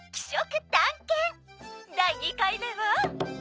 第２回目は。